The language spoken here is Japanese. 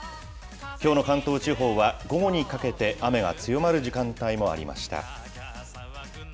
きょうの関東地方は、午後にかけて雨が強まる時間帯もありました。